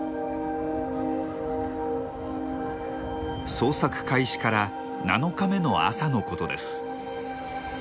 捜索開始から７日目の朝のことです。